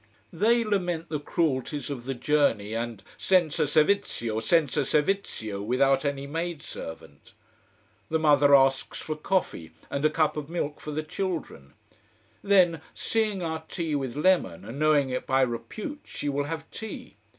They lament the cruelties of the journey and senza servizio! senza servizio! without any maid servant. The mother asks for coffee, and a cup of milk for the children: then, seeing our tea with lemon, and knowing it by repute, she will have tea.